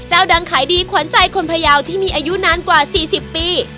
ดังขายดีขวัญใจคนพยาวที่มีอายุนานกว่า๔๐ปี